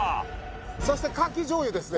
そしてかき醤油ですね